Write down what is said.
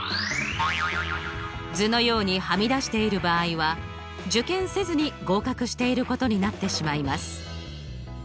図のようにはみ出している場合は受験せずに合格していることになってしまいます。